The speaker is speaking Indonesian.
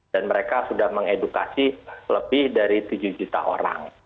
dan mereka sudah mengedukasi lebih dari tujuh juta orang